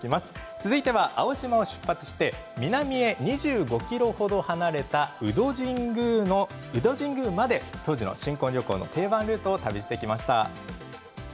続いては青島を出発して南へ２５ｋｍ程離れた鵜戸神宮まで当時の新婚旅行の定番ルートを旅してきました。